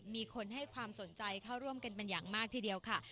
มีคนให้ความสนใจเข้าร่วมกันเป็นอย่างมากทีเดียวค่ะ